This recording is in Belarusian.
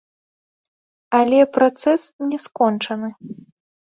Але працэс не скончаны.